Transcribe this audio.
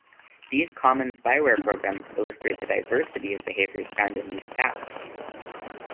These common spyware programs illustrate the diversity of behaviours found in these attacks.